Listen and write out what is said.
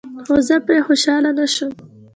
خو زه پرې خوشحاله نشوم.